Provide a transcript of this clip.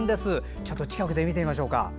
ちょっと近くで見てみましょう。